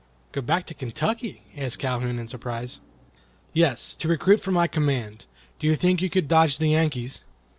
"Go back to Kentucky?" asked Calhoun in surprise. "Yes, to recruit for my command. Do you think you could dodge the Yankees?"